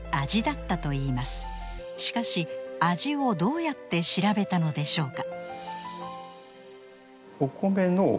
しかし味をどうやって調べたのでしょうか？